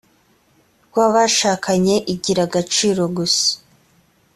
rw abashakanye igira agaciro gusa